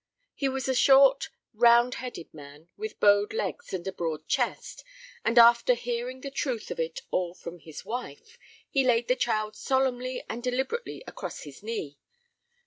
He was a short, round headed man with bowed legs and a broad chest, and, after hearing the truth of it all from his wife, he laid the child solemnly and deliberately across his knee.